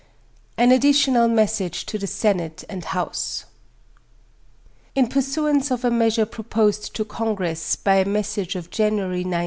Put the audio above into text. AN ADDITIONAL MESSAGE TO THE SENATE AND HOUSE. In pursuance of a measure proposed to Congress by a mes sage of January l